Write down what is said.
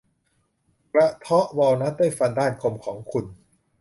กระเทาะวอลนัทด้วยฟันด้านคมของคุณ